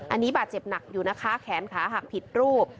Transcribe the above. อันนี้บาดเจ็บหนักอยู่นะคะแขนขาหักผิดรูป